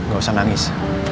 gak usah nangis